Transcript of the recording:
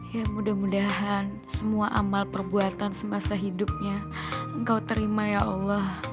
ya mudah mudahan semua amal perbuatan semasa hidupnya engkau terima ya allah